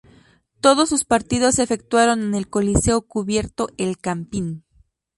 Todos sus partidos se efectuaron en el Coliseo Cubierto El Campín.